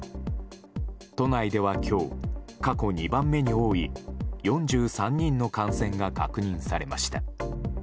都内では今日、過去２番目に多い４３人の感染が確認されました。